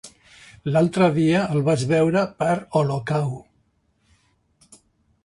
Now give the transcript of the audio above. L'altre dia el vaig veure per Olocau.